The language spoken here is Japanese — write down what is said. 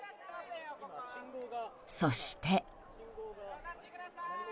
そして。